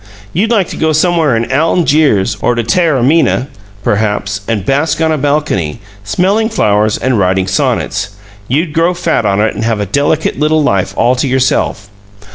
You'd like to go somewhere in Algiers, or to Taormina, perhaps, and bask on a balcony, smelling flowers and writing sonnets. You'd grow fat on it and have a delicate little life all to yourself.